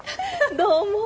どうも。